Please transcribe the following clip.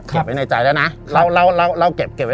เก็บไว้ในใจแล้วนะเล่าเก็บไว้ในในบ้าน